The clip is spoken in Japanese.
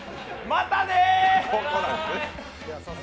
またねー！